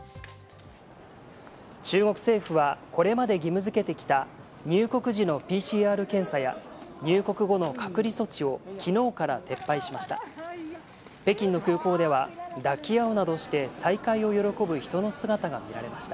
中国政府はこれまで義務づけてきた入国時のＰＣＲ検査や、入国後の隔離措置を昨日から撤廃しました。